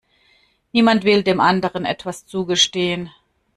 Niemand will dem anderen etwas zugestehen.